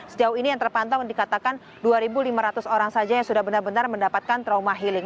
sejauh ini yang terpantau dikatakan dua lima ratus orang saja yang sudah benar benar mendapatkan trauma healing